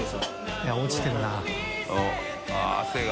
いや落ちてるな。